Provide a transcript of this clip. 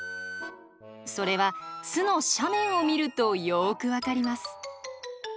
それは巣の斜面を見るとよく分かります。